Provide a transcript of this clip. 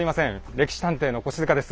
「歴史探偵」の越塚です。